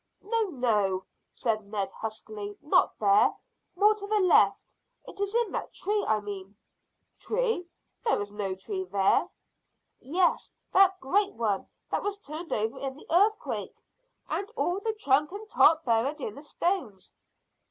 "No, no," said Ned huskily; "not there. More to the left. It is that tree I mean." "Tree? There's no tree there." "Yes, that great one that was turned over in the earthquake, and all of the trunk and top buried in the stones."